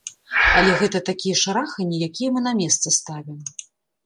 Але гэта такія шараханні, якія мы на месца ставім.